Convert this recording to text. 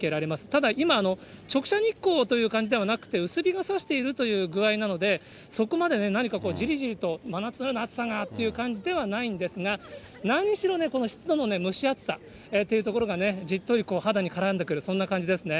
ただ、今、直射日光という感じではなくて、薄日がさしているという具合なので、そこまで何かこう、じりじりと真夏のような暑さがという感じではないんですが、何しろね、湿度の蒸し暑さというところがね、じっとり肌に絡んでくる、そんな感じですね。